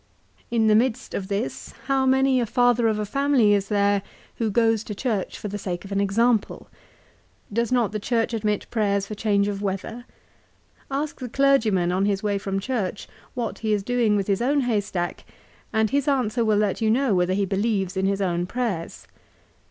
In the midst of this how many a father of a family is there who goes to church for the sake of example ? Does not the Church admit prayers for change of weather ? Ask the clergyman on his way from church what he is doing with his own haystack, and his answer will let you know whether he believes in his own prayers.